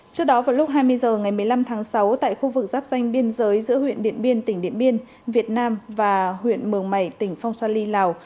trước đó vào lúc hai mươi h ngày một mươi năm tháng sáu tại khu vực giáp danh biên giới giữa huyện điện biên tỉnh điện biên việt nam và huyện mường mày tỉnh phong sa lì lào